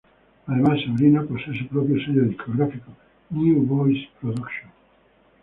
Además, Sabrina posee su propio sello discográfico "New Boys Production".